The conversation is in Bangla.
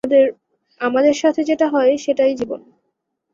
আমাদের সাথে যেটা হয়, সেটা- ই জীবন।